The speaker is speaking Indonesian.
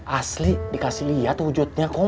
asli dikasih liat wujudnya kang